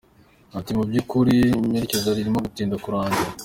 Yagize ati “Mu by’ ukuri iperereza ririmo gutinda kurangira.